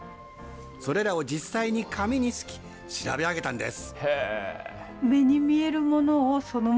それらを実際に紙にすき、調べ上げたんです。